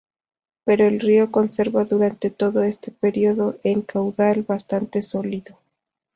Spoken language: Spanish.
Pero el río conserva durante todo este periodo un caudal bastante sólido.